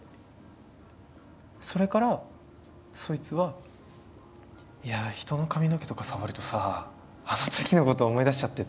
それからそいつは「いや人の髪の毛とか触るとさあの時のこと思い出しちゃって」